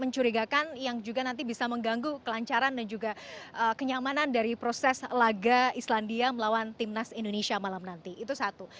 mencurigakan yang juga nanti bisa mengganggu kelancaran dan juga kenyamanan dari proses laga islandia melawan timnas indonesia malam nanti itu satu